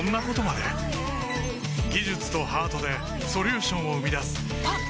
技術とハートでソリューションを生み出すあっ！